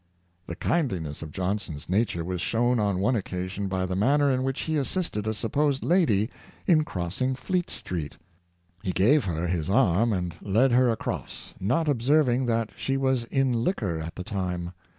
The kindHness of Johnson's nature was shown on one occasion by the man ner in which he assisted a supposed lady in crossing Fleet Street. He gave her his arm and led her across, not observing that she was in liquor at the time.